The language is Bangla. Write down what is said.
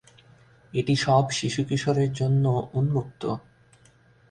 এটি সব শিশু কিশোরের জন্য উন্মুক্ত।